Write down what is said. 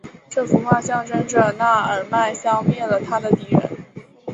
这幅画象征着那尔迈消灭了他的敌人。